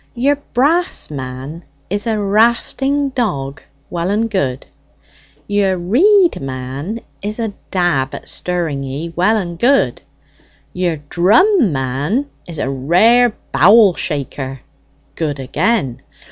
Your brass man is a rafting dog well and good; your reed man is a dab at stirring ye well and good; your drum man is a rare bowel shaker good again.